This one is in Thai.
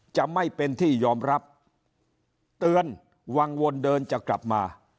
จะไม่เป็นที่ยอมรับเตือนวังวนเดินจะกลับมา